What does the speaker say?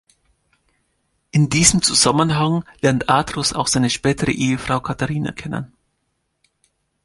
In diesem Zusammenhang lernt Atrus auch seine spätere Ehefrau Katharina kennen.